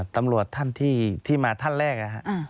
ตำรวจท่านที่มาท่านแรก